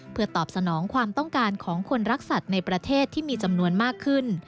เพื่อตอบสนองความต้องการของคนรักสัตว์ในประเทศที่มีจำนวนมากขึ้น